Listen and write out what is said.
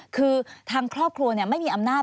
คือทางครอบครัวไม่มีอำนาจ